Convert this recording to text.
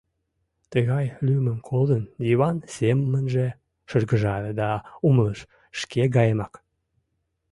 Тыгай лӱмым колын, Йыван семынже шыргыжале да умылыш: «Шке гаемак.